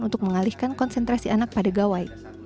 untuk mengalihkan konsentrasi anak pada gawai